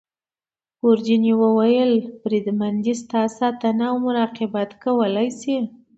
ګوردیني وویل: بریدمنه دی ستا ساتنه او مراقبت کولای شي.